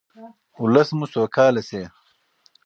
ولس مو سوکاله شي.